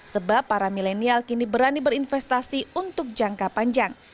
sebab para milenial kini berani berinvestasi untuk jangka panjang